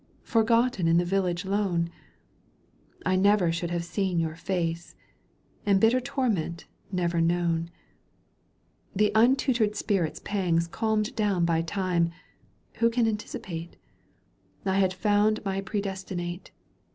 Forgotten in the village lone, I never should have seen your face And bitter torment never known. The untutored spirits pangs calmed down By time (who can anticipate ?) I had found my predestinate.